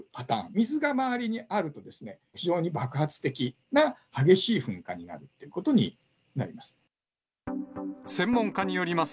水が周りにあるとですね、非常に爆発的な激しい噴火になるってことになります。